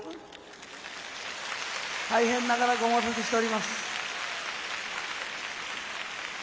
大変長らくお待たせしております。